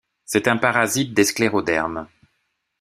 C'est un parasite des sclérodermes.